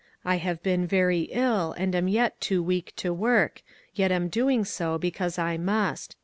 I have been very ill, and am yet too weak to work, yet am doing so because I must.